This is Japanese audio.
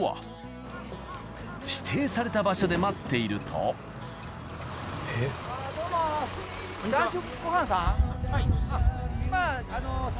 指定された場所で待っているとどうも。